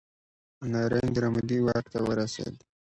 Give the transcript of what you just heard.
نریندرا مودي واک ته ورسید.